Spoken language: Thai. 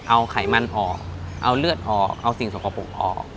เอาไขมันออกเอาเลือดออกเอาสิ่งสกปรกออก